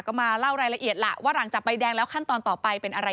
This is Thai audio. ก็มาเล่ารายละเอียดล่ะว่าหลังจากใบแดงแล้วขั้นตอนต่อไปเป็นอะไร